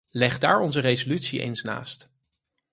Leg daar onze resolutie eens naast.